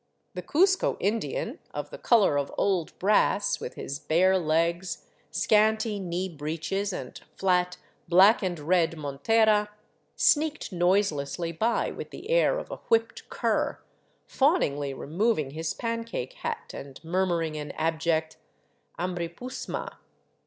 The Cuzco Indian, of the color of old brass, with his bare legs, scanty knee breeches, and flat, black and red montera, sneaked noiselessly by with the air of a whipped cur, fawningly removing his pancake hat and murmuring an abject " Amripusma."